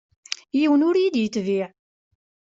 Yiwen ur yi-d-yetbiε.